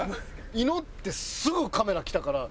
祈ってすぐカメラ来たから。